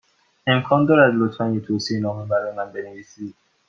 امکان دارد، لطفا، یک توصیه نامه برای من بنویسید؟